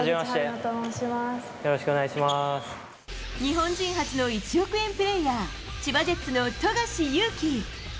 日本人初の１億円プレーヤー千葉ジェッツの富樫勇樹。